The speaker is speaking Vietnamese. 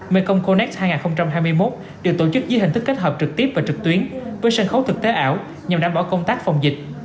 mekong connect hai nghìn hai mươi một được tổ chức dưới hình thức kết hợp trực tiếp và trực tuyến với sân khấu thực tế ảo nhằm đảm bảo công tác phòng dịch